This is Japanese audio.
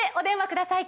ください